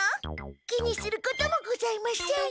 気にすることもございません。